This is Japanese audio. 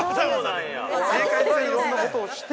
いろんなことをして。